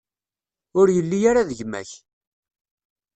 Ur yelli ara d gma-k.